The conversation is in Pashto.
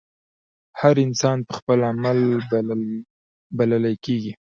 هر انسان پۀ خپل عمل بللے کيږي